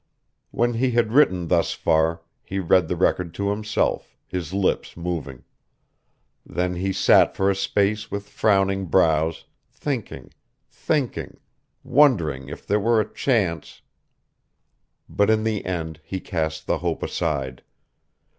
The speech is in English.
When he had written thus far, he read the record to himself, his lips moving; then he sat for a space with frowning brows, thinking, thinking, wondering if there were a chance.... But in the end he cast the hope aside.